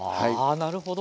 なるほど。